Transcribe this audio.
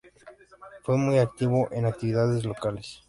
Fue muy activo en actividades locales.